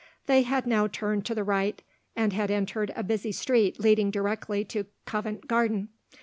They had now turned to the right, and had entered a busy street leading directly to Covent Garden.